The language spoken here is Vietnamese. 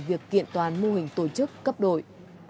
việc kiện toàn mô hình tổ chức cấp đội